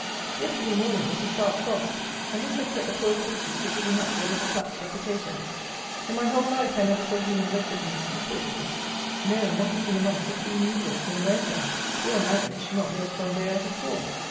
Yesterday morning was a sharp frost; and this had set the poor creatures to digging up their little plats of potatoes. In my whole life I never saw human wretchedness equal to this: no, not even amongst the free negroes in America, who, on an average, do not work one day out of four.